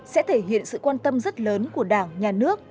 sẽ thể hiện sự quan tâm rất lớn của đảng nhà nước